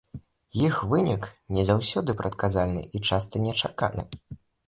Іх вынік не заўсёды прадказальны і часта нечаканы.